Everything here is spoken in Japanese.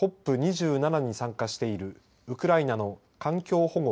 ＣＯＰ２７に参加しているウクライナの環境保護